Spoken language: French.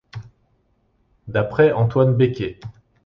D'après Antoine Becquet.